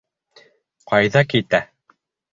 Ҡайҙа китә?